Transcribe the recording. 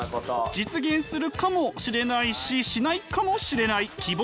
実現するかもしれないししないかもしれない希望。